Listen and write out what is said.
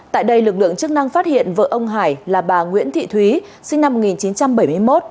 tại đây lực lượng chức năng phát hiện vợ ông hải là bà nguyễn thị thúy sinh năm một nghìn chín trăm bảy mươi một